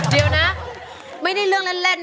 เดี๋ยวนะไม่ได้เรื่องเล่น